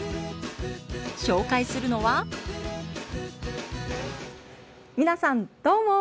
紹介するのは皆さんどうも！